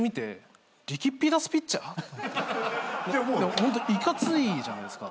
ホントいかついじゃないっすか。